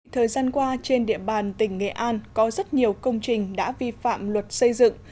thời gian qua trên địa bàn tỉnh nghệ an có rất nhiều công trình đã vi phạm luật xây dựng